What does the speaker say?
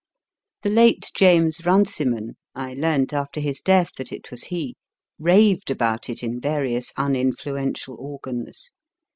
The late James Runciman (I learnt after his death that it was he) raved about it in various uninfluential organs.